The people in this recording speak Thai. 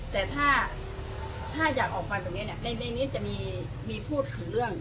แต่ถ้าอยากออกมาแบบนี้ในนี้จะมีพูดถึงเรื่อง